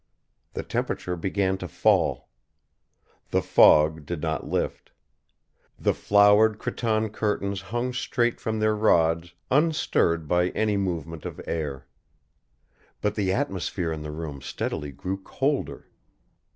The temperature began to fall. The fog did not lift. The flowered cretonne curtains hung straight from their rods unstirred by any movement of air. But the atmosphere in the room steadily grew colder.